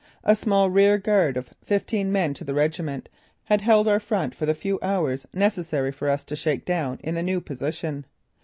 A small rearguard of fifteen men to the regiment had held our front for the few hours necessary for us to "shake down" in the new position.